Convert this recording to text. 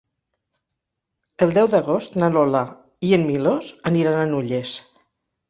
El deu d'agost na Lola i en Milos aniran a Nulles.